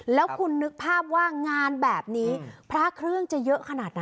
แล้วคุณนึกภาพว่างานแบบนี้พระเครื่องจะเยอะขนาดไหน